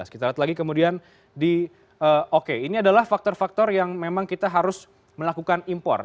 kita lihat lagi kemudian di oke ini adalah faktor faktor yang memang kita harus melakukan impor